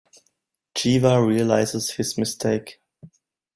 Jeeva realises his mistake.